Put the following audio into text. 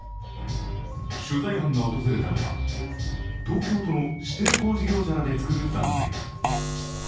取材班が訪れたのは、東京都の指定工事業者らで作る団体。